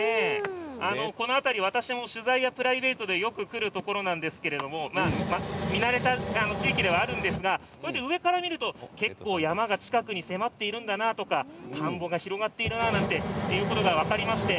この辺り、私も取材やプライベートでよく来るところなんですけれども見慣れたた地域ではあるんですが上から見ると結構山が近くに迫っているんだなとか田んぼが広がっているなということか分かります。